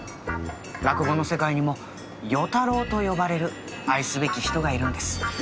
落語の世界にも与太郎と呼ばれる愛すべき人がいるんです。